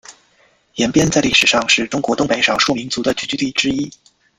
延边在历史上是中国东北少数民族的聚居地之一。